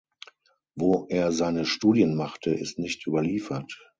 Wo er seine Studien machte, ist nicht überliefert.